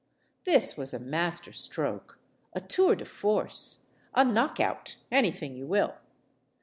This was a master stroke a tour de force a knock out anything you will.